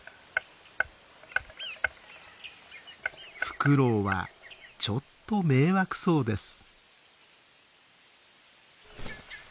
フクロウはちょっと迷惑そうです。